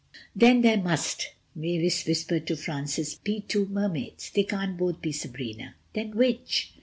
"Then there must," Mavis whispered to Francis, "be two Mermaids. They can't both be Sabrina ... then which...?"